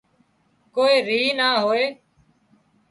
ڪوئي ريه نا هوئي